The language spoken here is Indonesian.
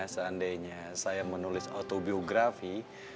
seandainya saya menulis autobiografi